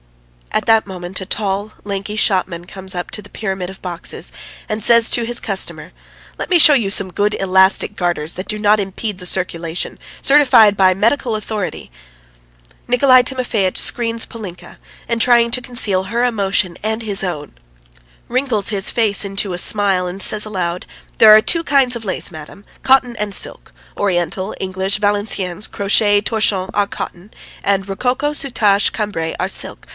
At that moment a tall, lanky shopman comes up to the pyramid of boxes, and says to his customer: "Let me show you some good elastic garters that do not impede the circulation, certified by medical authority ..." Nikolay Timofeitch screens Polinka, and, trying to conceal her emotion and his own, wrinkles his face into a smile and says aloud: "There are two kinds of lace, madam: cotton and silk! Oriental, English, Valenciennes, crochet, torchon, are cotton. And rococo, soutache, Cambray, are silk.